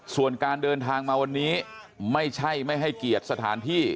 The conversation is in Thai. ส่วนการเดินทางมาวันนี้ไม่ใช่ไม่ให้เกียรติสถานที่